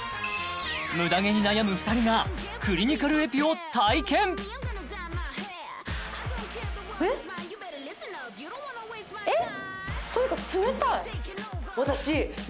ムダ毛に悩む２人がクリニカルエピを体験えっえっ？